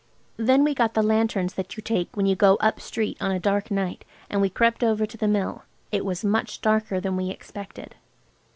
Then we got the lanterns that you take when you go "up street" on a dark night, and we crept over to the Mill. It was much darker than we expected.